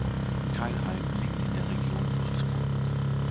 Theilheim liegt in der Region Würzburg.